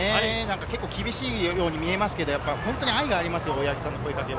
結構厳しいように見えますけれど、愛がありますよ、大八木さんの声かけは。